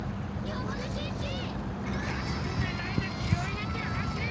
休んでないで気を入れて走れ！